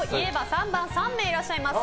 ３番、３名いらっしゃいます。